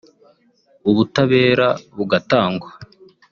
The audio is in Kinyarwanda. ubutabera bugatangwa